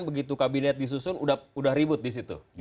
begitu kabinet disusun udah ribut disitu